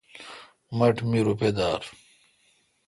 مٹھ می روپہ دار۔